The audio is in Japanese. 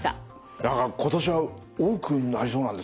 何か今年は多くなりそうなんですって？